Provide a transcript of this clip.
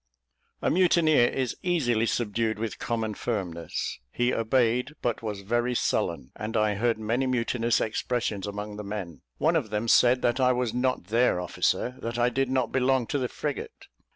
A mutineer is easily subdued with common firmness. He obeyed, but was very sullen, and I heard many mutinous expressions among the men. One of them said that I was not their officer that I did not belong to the frigate.